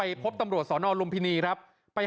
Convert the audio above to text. ไฮโซลุคนัทบอกว่าครั้งแรกที่เขารู้เรื่องนี้ได้ยินเรื่องนี้เนี่ย